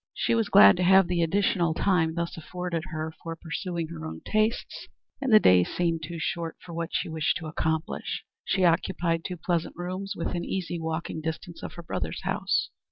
She was glad to have the additional time thus afforded her for pursuing her own tastes, and the days seemed too short for what she wished to accomplish. She occupied two pleasant rooms within easy walking distance of her brother's house.